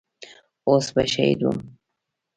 اوس به شهيد وم.